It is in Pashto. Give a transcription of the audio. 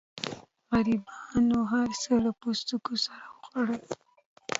غریبانو هر څه له پوستکو سره وخوړل.